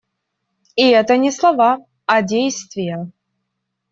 И это не слова, а действия.